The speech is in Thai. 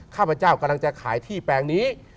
ข้าพเจ้ากำลังจะขายที่แปลงนี้